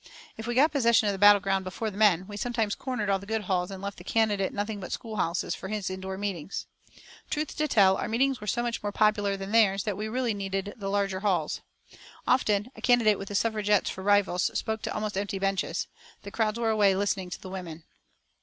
If we got possession of the battle ground before the men, we sometimes "cornered" all the good halls and left the candidate nothing but schoolhouses for his indoor meetings. Truth to tell, our meetings were so much more popular than theirs that we really needed the larger halls. Often, a candidate with the Suffragettes for rivals spoke to almost empty benches. The crowds were away listening to the women.